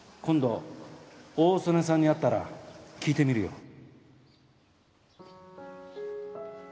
今度大曾根さんに会ったら聞いてみるよ